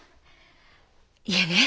いえね